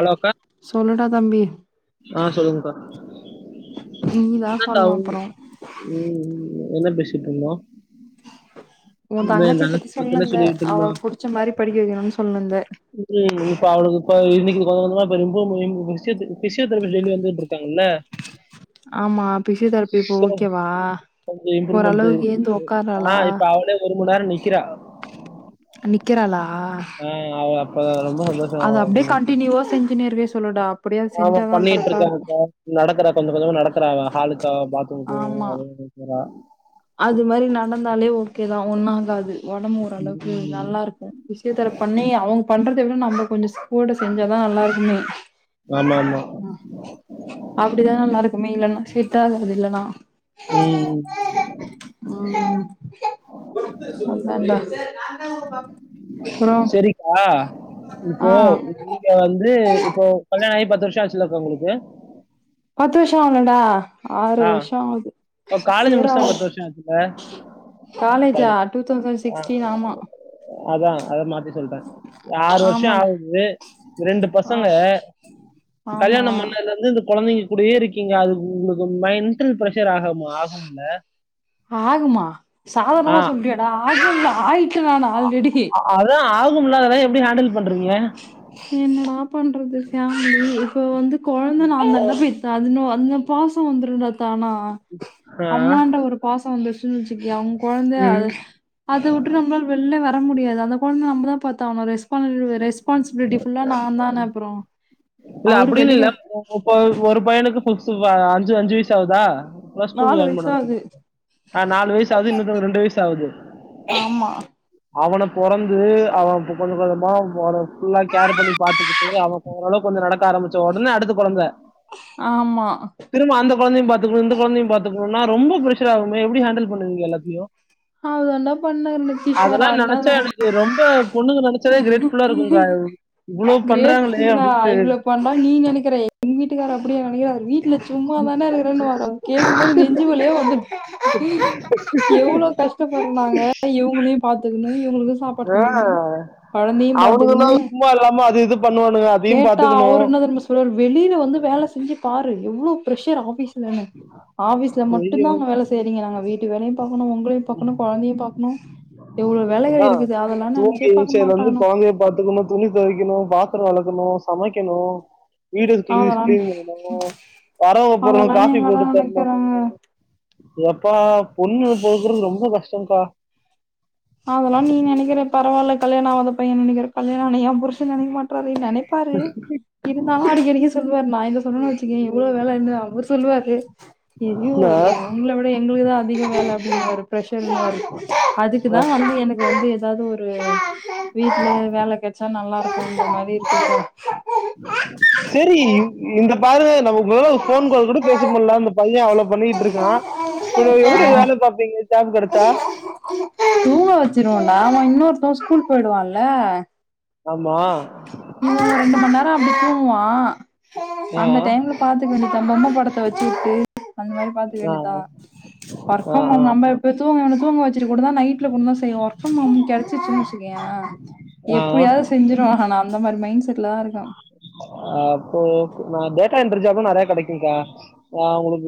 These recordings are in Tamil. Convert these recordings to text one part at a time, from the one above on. ஹலோ அக்கா சொல்லுடா தம்பி ஆ சொல்லுங்கக்கா நீங்க தா என்னக்கா சொல்ணு உங் அப்பற ம் என்ன பேசிட்டு இருந்தோ உன் தங்கச்சிய பத்தி தங்கச்சி பத்தின சொல்லினிருந்த சொல்லிட்டு அவ இருந்தோம் புடிச்ச மாரி படிக்க வைக்கணுன் சொல்லினிருந்த ம் இப்ப அவளுக்கு இப்ப இன்னைக்கு கொஞ்சோ கொஞ்சமா ரொம்ப [unintelligible] பிசியோதரபி டெய்லி வந்துட் இருக்காங்கல்ல ஆமா பிஸியோதரபி இப்போ சோ ஓகேவா கொஞ்சம் இம்ப்ரூவ்மெண்ட் ஓரளவுக்கு இருக்கு ஏந்து ஆ உக்காறாளா இப்ப அவளே ஒரு மண் நேர நிக்கிற நிக்கிறாளா ஆ அவ அப்ப ரொம்ப சந்தோஷ [inaudible] எதோ செஞ்சுனே இருக்கவே சொல்லுடா அப்டியே அது ஆமா செஞ்சாதா பண்ணிட்டு கரெக்டா இருக்கு இருக்காங்க்கா நடக்குறா கொஞ்சோ கொஞ்சமா நடக்குறா ஹாலுக்கா பாத்ரூம்க்கு ஆமா அதுவு போறா அது மாரி நடந்தாலே ஓகேதா ஒன்னாகாது உடம்பு ஓரளவுக்கு ம் நல்லாருக்கு பிஸியோதரபி பண்ணி அவங்க பண்றத விட நம்ம கொஞ்சோ கூட செஞ்சாதா நல்லாருக்குமே ஆமா ஆமா அப்டிதா நல்லாருக்குமே இல்லனா செட்டா ஆகறது இல்லனா ம் ம் சொன்னன்ல சரிக்கா ஆ இப்போ இங்க வந்து இப்போ கல்யாண ஆகி பத்து வருஷ ஆச்சுல்லக்கா உங்களுக்கு பத்து வருஷ ஆலடா ஆறு ஆ. வருஷ ஆவுது இப்போ காலேஜ் முடிச்சு தான் சிவராவ்து வருஷம் ஆச்சுல்ல? காலேஜா டூ தௌசண்ட் சிக்ஸ்டீன் ஆமா அதா அத மாத்தி சொல்ட்ட ஆறு வருஷ ஆமாடா ஆவுது ரெண்டு ஆ பசங்க ஆமா கல்யாண பண்ணதுலருந்து இந்த கொழந்தைங்க கூடயே இருக்கீங்க அது உங்களுக்கு மெண்ட்டல் ப்ரஷர் ஆக ஆகும்ல ஆகுமா சாதாரணமா சொல்ட்டியடா ஆகு ஆயி அதா ஆகும்ல அதலா எப்டி ஹேண்டில் பண்றீங்க என்னடா பண்றது ஃபேமிலி இப்ப வந்து கொழந்த நான்தான பெத்த அதுங்க வந்து பாச வந்துருண்டா தானா ஆ. அம்மான்ற ஒரு பாச வந்துருச்சுன் வச்சுக்கயே அவங்க கொழந்த ம். அது அதை விட்டு நம்மாள வெளிலயே வர முடியாது அந்த கொழந்த நம்மதா பாத்தாவனு ரெஸ்பா ரெஸ்பான்ஸ் பியூட்டிஃபுல்லா நா தான அப்பறோ இல்ல அப்படினு இல்ல ஒ ஒரு பையனுக்கு புஸ் அஞ்சு அஞ்சு வயசு ஆவ்தா இப்பதா ஸ்கூல் ஜாயின் வயசு பன்னாங்க ஆகுது. [inaudible] ஆ நாலு வயசு ஆவுது இன்னொருத்தவன் ரெண்டு வயசு ஆவுது ஆமா, அவன பொறந்து அவன் கொஞ்ச கொஞ்சமா ஃபுல்லா கேர் பண்ணி பாத்துக்கிட்டு அவன் ஓரளவுக் கொஞ்ச நடக்க ஆரம்பிச்ச உடனே அடுத்த கொழந்த ஆமா திரும்ப அந்த கொந்தையு பாத்துக்கணு இந்த கொழந்தையு பாத்துக்கணுனா ரொம்ப பிரஸ்ஷர் ஆகுமே எப்டி ஹேண்டில் பண்ணுவீங்க எல்லாத்தையு அது தாண்டா பண்ண கிஷோர் நெனச்சா [unintelligible] எனக்கு ரொம்ப பொண்ணுங்க நெனச்சதே கிரேட் ஃபுல்லா இருக்குங் கா இவ்ளோ பண்றாங்ளே நா அப்டி இவ்ளோ பண்றன் நீ நினைக்கிற எங் வீட்டுக்காரர் அப்டிய நினைக்கிறார் வீட்ல சும்மா தான இருக்குறன் வாரு அவுரு கேக்கும் போது நெஞ்சு வலியே வந்துடு எவ்ளோ கஷ்டப்படுனாங்க இவுங்ளியு பாத்துக்கனு இவுங்ளுக்கு ஆ பாத்துக்கணும். அவனுக்குன்னா சும்மா இல்லாம அது இது பண்ணுவானுங்க அதையும் கேட்டா அவரு பாத்துக்கணும். என்ன தெரிமா சொல் வெளியில வந்து வேல செஞ்சு பாரு எவ்ளோ பிர்ஷர் ஆபீஸ் ல ஆபீஸ்ல மட்டு தா ஐயோ! அங்க வேல செய்றீங்க நாங்க வீட்டு வேலையு பாக்கணு உங்களையு பாக்கணு கொழந்தையு பாக்கணு எவ்ளோ வேலைககள் இருக்குது அதல்லா நெனைச்சே பாக்க மாட்டாங்கனு புள்ளைய பாத்துக்கனு துணி துவைக்கணு பாத்ர வளக்கணு சமைக்கணு வீடு [unintelligible] அதெல்லா க்ளீன் பண்ணணு வரவ போரவங்க அதெல்லா காபி எங்கடா போட்டு தரணு நெனைக்கிறாங்க எப்பா பொண்ணு பொறக்கறது ரொம்ப கஷ்டங்கா அதல்லா நீ நனைகிற பரவால்ல கல்யாண ஆவாத பையன் நனைக்கிற கல்யாண ஆன என் புருச நனைக்க மாட்றாரு நனைப்பாரு இருந்தாலு அடிக்கடிக்க சொல்லுவாரு நா இத சொன்னனா வச்சுக்கேயே எவ்ளோ வேல என்னு அவர் சொல்லுவாரு ஐயோ என்ன உங்கள விட எங்களுக்குதா அதிக வேல அப்டிங்பாரு ப்ரஷர் பாரு அதுக் ஆ குதா வந்து எனக்கு வந்து ஏதாவது ஒரு வீட்லே வேல கச்சா நல்லா இருக்குங் மாரி இருக்கு செரி இந்த பார்வ நமக் உங்களாள ஒரு போன் கால் கூட பேச முல்ல அந்த பையன் அவ்ளோ பண்ணிட்டு இருக்கான் எப்டி ஆ வேல பாப்பீங்க ஜாப் கடச்சா தூங்க வச்சிருவடா அவன் இன்னொருத்த ஸ்கூல் போயிடுவான்ல ஆமா இவன் ரெண்டு மண் நேரோ அப்டி தூங்குவான் ஆ அந்த டைம் பாத்துக்க வேண்டிதா பொம்ம படத்த வச்சுவுட்டு அந்த மாரி பாத்துக்க ஆ வேண்டிதா [unintelligible] [unintelligible] ஆ ஆ நைட்ல கொன் நேர செய்ய ஒர்க் ஃபர்ம் ஹோம் கெடச்சிச்சுன்னு வச்சுக்கேய ஆ ஆ எப்படியாது செஞ்சிருவ ஆன அந்த மாரி மைண்ட் செட்ல தா இருக்க அ அப்போ ஒகே டேட்டா எண்ட்ரி ஜாப்லா நறைய கடைக்குங்கா நா உங்களுக்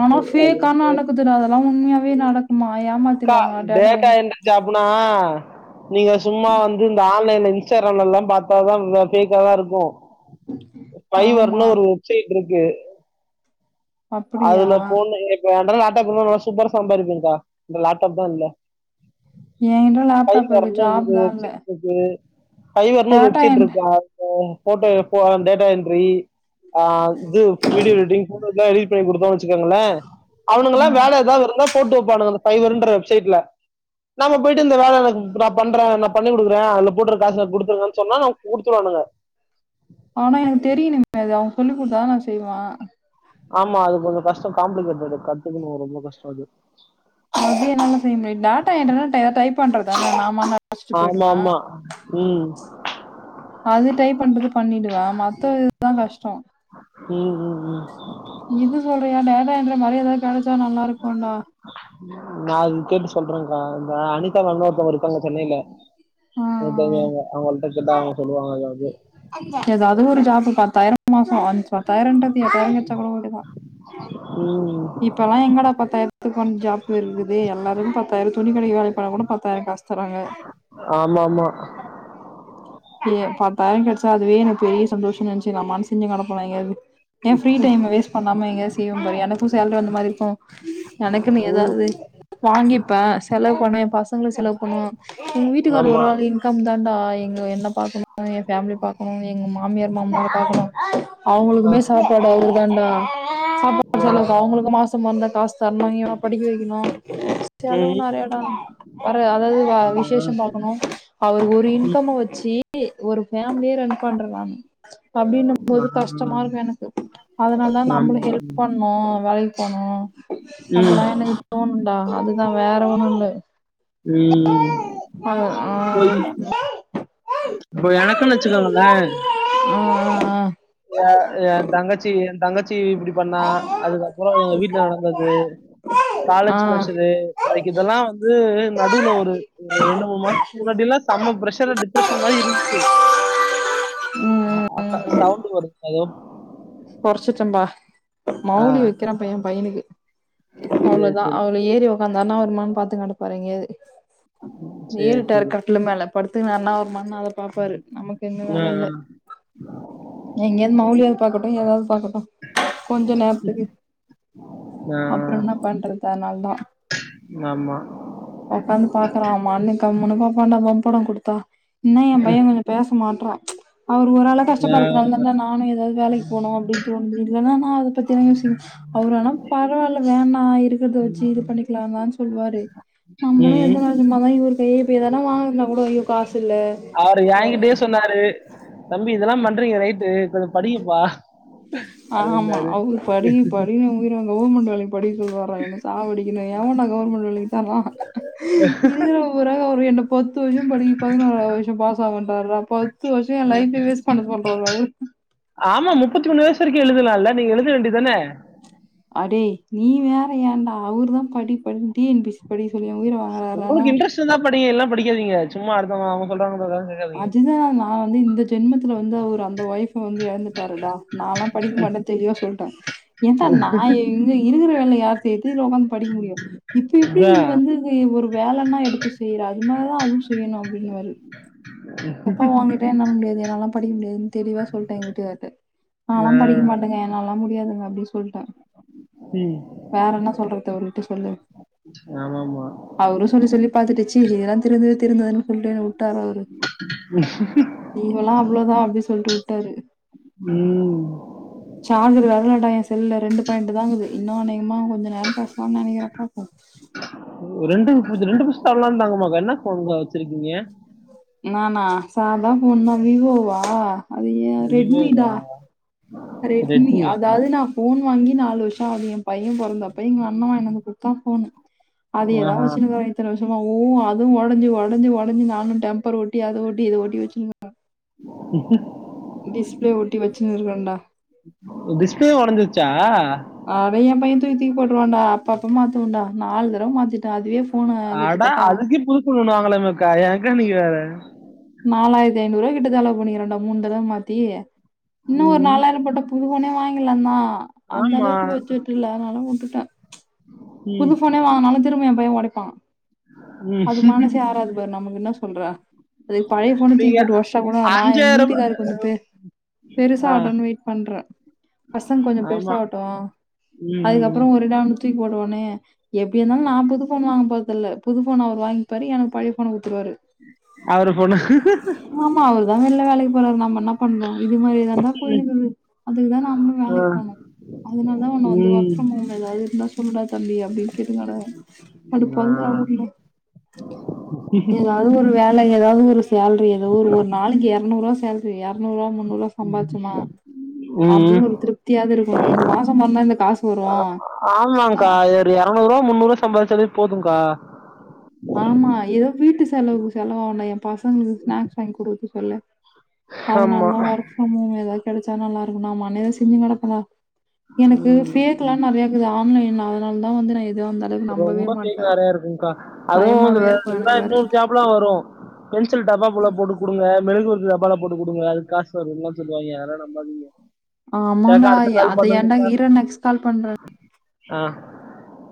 ஆனா ஃப்பேக்கா நடக்குது டா அதெல்லா உண்மையாவே நடக்குமா ஏமாத் அக்கா டேட்டா எண்ட்ரி ஜாப்னா நீங்க சும்மா வந்து இந்த ஆன் என் இன்ஸ்டாகிராம் எல்லா பாத்தாத ஃபேகா தா இருக்கு பைவர்னு ஆமா ஒரு வெப் சைட் இருக்கு அப்படியா அதுல பொண்ணு என்ட லேப்டாப் இருந்தா நால சூப்பரா சம்பாரிப்பங்கா என்ட லேப்டாப் தா இல்ல என்கிட்ட லேப்டாப் இருக்கு ஹைவர்னு ஒரு ஜாப் தான் வெப் இல்ல சைட் இருக்கு ஹைவர்னுு ஒரு டேட்டா வெப்சைட் என்ட் இருக்கா போட்டோ போ டேட்டா என்ட்ரி ஆ இது வீடியோ எடிடிங் போட்டோலா எடிட் பண்ணி குடுத்தோ வச்சிகோங்ளே ஆ அவனுங்களா வேல ஏதாவது இருந்தா போட்டு வப்பானுங்க அந்த ஹைவன்ற வெப் சைட்ல நாம போயிட்டு இந்த வேல எனக்கு நா பண்ற நா பண்ணி குடுக்குற அல போட்றக்க காசு எனக் குடுத்துருங்கன் சொன்னா அவுன் குடுத்துருவானுங்க ஆனா எனக்கு தெரியு நி மேதா சொல்லி் கொடுத்தாதா நா செய்வா ஆமா அது கொஞ்சோ கஷ்டம் காம்ப்ளிகேட்டது கத்துக்குனு ரொம்ப கஷ்டோ அது அ என்னால செய்ய முடியும் டாட்டா என்ர்நெட் ஏாவ டைப் பண்றத நாம அழச்சுட்டு ஆமா போயிடுவான் ஆமா ம் அது டைப் பண்றது பண்ணிடுவ மத்த இதுதா கஷ்டோ ம் ம் ம் இது சொல்றியா டேட்டா என்ற மரி எதா கெடச்சா நல்லா இருக்குன்டா ம் நா அது கேட்டு சொல்றன்க்கா இந்த அனிதா மேம்னு ஒருத்தவங்க இருக்காங்க சென்னைய்ல ஆ எ ஆ. தேவையாங்க அவங்கள்ட்ட கெட்டா அவங்க சொல்லுவாங்க எதாவ்து எது அது ஒரு ஜாப்பு பத்தாயிரம் மாசம்ஞ பத்தாயிரம்ன்றது எத்தாயிரம் கிச்சா கூடக்கடியதா ம் இப்பல்லா எங்கடா பத்தாய்ர்த்துக் கொன் ஜாப் வெர்குதே எல்லாரும் பத்தாய்ர துணி கடைக்கி வேலை பண்ணா கூட பத்தாய் காஸ் தராங்க ஆமாமா ஏ பத்தாய்ர் கெட்ச்சா அதுவே எனக் பெரிய சந்தோஷம்னந்ச்சி நா மாம்ஸ் செஞ்சி கனப்புலாய்ங்கது ஏன் ஃப்ரீ டைம் வேஸ்ட் பண்ணாம எங்காவா செய்ய மாிர எனக்கும் சேலரி வந்த மாதிரிக்கும் எனக்குன்னு ம் ஏதாவது வாங்கிப்பே செலவு பண்ணன் பசங்களும் செலவு பண்ணும் உ வீட்டுக்கரு ஆமா ஒருற பக்கம் தான்ண்டா எங்க என்ன பாக்கணும் என் பேேமிலி பா்க்கணும் எங்க மாமியார் மாமியார் பாாரக்கணும் ஆ, அவங்களுக்குமே சாப்பாடு அவ தாண்டா நா கவுங்களுக்கு மாசம் மறந்தா காஸ் தர்ணு இவன படிக்க வெக்கிணு ஸ்தெலவு ம் நறையாட் வர அதாவது ஆ, ஆ. விசேஷம் பாக்கணும் அவர் ஒரு ம் இன்கம்ம வச்சி ஒரு ஃபேமிலியே ரன் பண்றுறாங் அப்டின்னும் ஆ, மொது கஷ்டமா ஆ. இருக்கு எனக்கு அதனால் தான் நாம்ள ஆமா ஹெல்ப் ஆமா. பண்ணு வேலைக் போணு அப்டில்லா ம் எனக்கு தோணுண்டா அதுதா வேற ஒண்ணு இல்ல வீ அது ஆ பொய் பு எனக்குன்னு வச்சுக்கோங்கள உம் ஏ ஏ தங்கச்சி என் தங்கச் டி இப்டி பண்ணா அதுக்கப்பறோ எங்க வீட்ல நடந்தது காலேஜ் ஆ ஆ போஷது வய்கு இதெல்லா வந்து நடுவ்ல ஒரு ஒரு ரெண்டு மூணு மாஸ்த்து முன்னாடி எல்லா செம்ம ப்ரஷர் டிப்ரஷன்மாறி இருந்ச்சு [inaudible] ம் ஆ அப்ப சவுண்ட் வருத் டையம் கொற்ச்சிட்டன்டா ஆ மவ்லி வெக்கிற ப்ரியம் பைய்னுக்கு சரி, அவ்ளோதா சரி, அவ வ்லோ ஏரி உக்காந்தானா வருமான் பாத்து நடப்பாரு எங்கயாது சரி, ஏருட்ட சரி. யர்க்கர் ட்ல மேல படுத்து நன்னாவ் மண் அவர் பாப்பாரு நமக்கு என்ன ஆ, வேல இல்லெ குட்டி ஏதாவ் பாக்கட்டு கொஞ்ச நேர்த்துக்கு ஆ, ஆ. அப்றோ என்னா பண்றது அதனால்தா ஆமா. வக்காந்து பாக்றாமா அண்ணெ கம்முன்னுதா பண்டா வம்படோ குடுத்தா இன்னா என் பையன் கொஞ்சு பேச மாட்ரா அவர் ஒரு ஆளா ஆ கஷ்டப்படுத்றால்னன்னா நானு ஏதாவ் வேலைக்கு போனு அப்டின் தோனுது இல்லன்னா நா அத பத்தின யோசின் அவரு ஆனா பரவாயில்ல வேணா இருக்குற்த வச்சி இது பண்ணிக்லாவான் சொல்வாரே ம் நம்மதா இவுரு கையேய் எதலா வாங்கறதுனா கூட ஐயோ காசுல்ல அவரு எகிட்டயே சொன்னாரு தம்பி இதெல்லா பண்றீங்க ரைட்டு கொஞ்ச படிங்கப்பா ஆமா அப்டின்னாரு. அவுரு படி படி உயிரங்க கவர்மெண்ட் வேலைக்கு படிக்க சொல்லுவா என்ன சாவடிக்கணு எவன்டா கவர்மெண்ட் வேலைக்கு தர்றா இருக்கற பூரா அவர் என்ன பத்து வருஷோ படி பதினோராவது வருஷோ பாஸ் ஆவன்றார்டா பத்து வருஷோ என் லைஃபே வேஸ்ட் பண்ண சொல்றாரு அவுரு ஆமா முப்பத்தி மூணு வயசு வரிக்கு எழுதலால்ல நீங்க எழுத வேண்டிதான அடேய் நீ வேற ஏன்டா அவுரு தா படி படி டி என் பி சி படிக்க சொல்லி எ உயிர வாங்கறாரானா தா படிங்க இல்லனா படிக்காதீங்க சும்மா அடுத்தவங்க அவுங்க சொல்றாங்கறதுக்காக அதுதா நா வந்து இந்த ஜென்மத்துல வந்து அவுர் அந்த ஒய்ஃப வந்து எழந்துட்டாருடா நால்லா படிக்க மாட்டே தெளிவா சொல்ட்டே ஏந்தா நா இங்க இருக்கிற வேல யார் செய்றது படிக்க முடியும் இப்ப எப்படி நீ இதான் வந்து இது ஒரு வேலைன்னா எடுத்து செய்யற அது மாதிரிதான் அதுவும் செய்யணும் அப்படின்னு வாரு எப்பா ஓங்கிட்ட என்னால முடியாது என்னாலாம் படிக்க முடியாதுன்னு தெளிவா சொல்லிட்ட எங்க வீட்டுக்கார்ட்ட நாலாம் படிக்க ஆஹ் மாட்டேங்க என்னாளலாம் முடியாதுங்க அப்படின்னு சொல்லிட்டேன் ம். வேற என்ன சொல்றது அவருகிட்ட சொல்லு ஆமா ஆமா அவரும் சொல்லி சொல்லி பார்த்துட்டுச்சு இதெல்லான் திருந்து திருந்ததுன்னு சொல்லிட்டுனு விட்டாரு அவரு நீங்கல்லா அவ்வளோதா அப்டி சொல்ட்டு வுட்டாரு ம் சார்ஜு ஏர்ல்லடா என் செல்லுல ரெண்டு பாய்ண்ட்டுதாங்குது இன்னு அனேகமா கொஞ்ச நேரு பேஸ்லான் நெனைக்கிற பாப்போ ரெண்டு பூ ரெண்டு பூஸ்தர்லா தங்கமாக்கா என்ன ஃபோன்கா வச்சிருக்கீங்க நானா சாதா ஃபோன்தா விவோவா அது ஏ ரெட்மிடா விவோவா ரெட்மி ரெட்மியா அதாது நா ஃபோன் வாங்கி நாலு வருஷோ ஆது ஏ பைய பொறந்தப்ப எங்க அண்ண வாங்கினு வந்து கொடுத்தா ஃபோனு அதயேதா ஆஹா வச்சுன்கரே இத்தன வருஷமா ஊ அதுவு ஒடஞ்சு ஒடஞ்ச ஒடஞ்சி நானு டெம் பர் ஒட்டி அத ஒட்டி இதஓட்ட வச்சுங்க டிஸ்பிளே ஒட்டி வச்சுன்னு இருக்கன்டா டிஸ்ப்ளே ஒடஞ்சிருச்சா அட ஏ பையன் தூக்கிதூக்கி போட்டுருவாண்டா அப்ப அப்ப மாத்துவண்டா நாலு தடவ மாத்தி அதுவே போன் கிட்டத்தட்டா ஃபோன் ஒன்னு வாங்கலக்கா யக்கா நீங்க வேற நாலாயிரத்தி ஐநூறுரூபா கிட்ட செலவு பண்ணிகிறண்டா மூணு தடவ மாத்தி இன்னு ஒரு ம் நாலாயிர போட்ட புது போனே வாங்கிலாந்தா அந்த ஆமா அளவுக்கு பட்ஜெட் இல்ல அதுனாலதா உட்டுட்ட ம் புது ஃபோனே வாங்கனாலு திரும்ப எ பைய ஒடைப்பா ம் அது மனசே ஆராது பாரு நமக்கு என்ன சொல்ற அதுக்கு பழைய ஃபோனு தூக்கி நீங்க போட்டு ஒஷ்ஷா கூட நா எங்க அஞ்சாயிரம் வீட்டுக்காரு கொஞ்ச பே ரூபாய் பெருசா ஆ ஆவடுன்னு வெயிட் பண்ற பசங் கொஞ்ச பெருசா ஆமா ஆவட்டு ம் அதுக்கப்றோ ஒருடாதூக்கி போட்றுவனே எப்டி இருந்தாலு நா புது ஃபோன் வாங்க போறதில்ல புது ஃபோன் அவர் வாங்கிப்பாரு எனக்கு பழைய ஃபோன் குடுத்துருவாரு அவரு ஃபோனு ஆமா அவர் தா வெள்ல வேலைக்கு போறாரு நம்மென்னா பண்ணோ இது மாரி தாந்தா போயினுக்குது அதுக்குதா நாமளு ஆ வேலைக் போணு அதனால தா உன்ன வந்து ஒர்க் ம் ஃப்ரம் ஹோம் எதாது இருந்தா சொல்லுடா தம்பி அப்டின்னு கேட்டுனுகடக்கற அதுபொந்தா [unintelligible] ம்ம் ஏதாது ஒரு வேல ஏதாது ஒரு சால்ரி எதோ ஒரு ஒரு நாளைக்கு எரநூறு ருவா சால் எரநூறு ருவா முன்னூறுருவா சம்பார்சமா ம் அப்டின்னு ஒரு திருப்தியாவது இருக்கு இந்த மாச பொறந்தா இந்த காசு வரு அஹ் எரநூறுவா முன்னூறுவா சம்பாதிச்சாலே போதுக்கா ஆமா ஏ வீட்டு செலவுக்கு செலவாண எ பசங்களுக்கு ஸ்நாக்ஸ் வாங்கி குடுக்கதுக்கு சொல்லு அதனால ஆமா தா ஒர்க் ஃப்ரம் ஹோம் ஏதாது கெடைச்ச நல்லா இருக்கு நாமான்னு செஞ்சு கெடப்பன்டா எனக்கு ம் ஃபேக்ல்லா ம் நெறைய இருக்குது ஆன்லைன் அதனால தா வந்து நா எது வந்த ரொம்ப ஃபேக் நெறையா இருக்குக்கா அதுவு பயமாவே இருக்கும் எனக்கு [inaudible] வேற. இன்னொரு ஜா இப்புல்லா வரு பென்சில் டப்பாகுள்ள போட்டு குடுங்க மெழுகுவத்தி டப்பா போட்டு குடுங்க அதுக்கு காசு வரும்ல சொல்லுவாய்ங்க அதலா நம்பாதீங்க ஆமான்டா சரிக்கா அடுத்த கால் அது ஏன்டா பண்ணுங்கக்கா ஈரான் எக்ஸ் கால் பண்ற ஆ